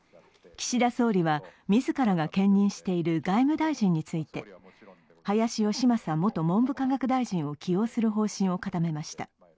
岸田総理は、自らが兼任している外務大臣について、林芳正元文部科学大臣を起用する方針を固めました。